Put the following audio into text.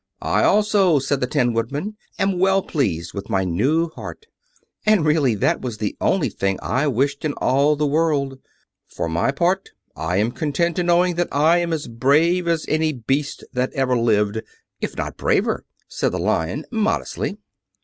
"I also," said the Tin Woodman, "am well pleased with my new heart; and, really, that was the only thing I wished in all the world." "For my part, I am content in knowing I am as brave as any beast that ever lived, if not braver," said the Lion modestly.